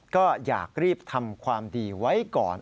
ก็อยากรีบทำความดีไว้ก่อน